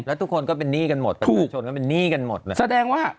แล้วทุกคนก็เป็นหนี้กันหมดถูกเป็นหนี้กันหมดแสดงว่า